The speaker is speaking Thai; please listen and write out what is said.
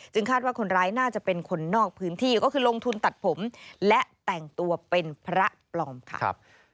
คาดว่าคนร้ายน่าจะเป็นคนนอกพื้นที่ก็คือลงทุนตัดผมและแต่งตัวเป็นพระปลอมค่ะ